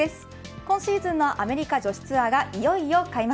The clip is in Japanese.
今シーズンのアメリカ女子ツアーがいよいよ開幕。